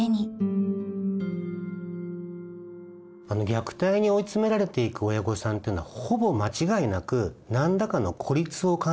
虐待に追い詰められていく親御さんっていうのはほぼ間違いなく何らかの孤立を感じてるはずなんです。